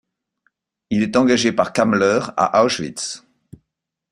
Il est engagé par Kammler à Auschwitz.